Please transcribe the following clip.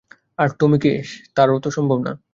আর Tommy কে তো আরও সম্ভব না।